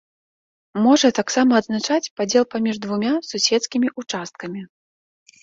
Можа таксама азначаць падзел паміж двумя суседскімі ўчасткамі.